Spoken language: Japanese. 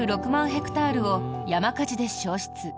ヘクタールを山火事で焼失。